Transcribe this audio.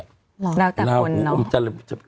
หรอน่าแต่หมดเนอะ